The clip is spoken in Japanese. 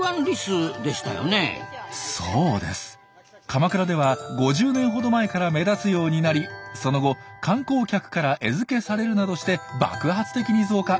鎌倉では５０年ほど前から目立つようになりその後観光客から餌付けされるなどして爆発的に増加。